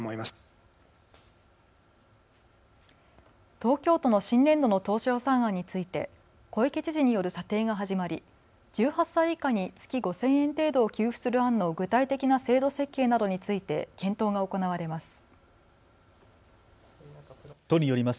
東京都の新年度の当初予算案について小池知事による査定が始まり、１８歳以下に月５０００円程度を給付する案の具体的な制度設計などについて検討が行われます。